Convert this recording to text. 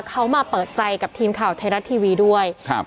เขามาเปิดใจกับทีมข่าวไทยรัฐทีวีด้วยครับ